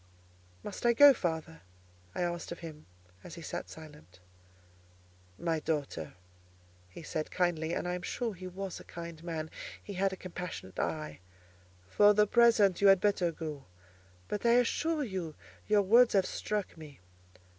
"Must I go, father?" I asked of him as he sat silent. "My daughter," he said kindly—and I am sure he was a kind man: he had a compassionate eye—"for the present you had better go: but I assure you your words have struck me.